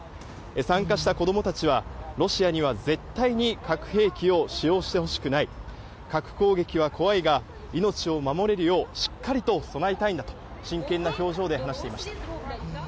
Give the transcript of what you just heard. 参加した子供たちはロシアには絶対に核兵器を使用してほしくない核攻撃は怖いが命を守れるようしっかりと備えたいんだと真剣な表情で話していました。